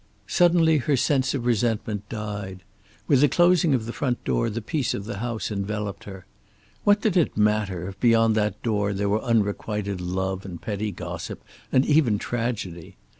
Suddenly her sense of resentment died. With the closing of the front door the peace of the house enveloped her. What did it matter if, beyond that door, there were unrequited love and petty gossip, and even tragedy?